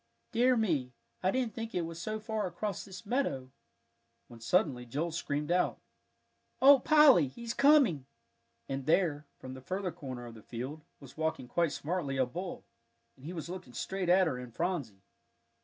"Dear me, I didn't think it was so far across this meadow!" when suddenly Joel screamed out, "Oh, Polly, he's coming!" and there, from the further corner of the field, was walking quite smartly a bull, and he was looking straight at her and Phronsie.